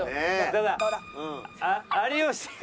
ただ有吉が。